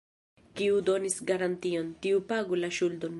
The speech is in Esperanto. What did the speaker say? Kiu donis garantion, tiu pagu la ŝuldon.